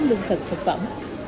lương thực thực phẩm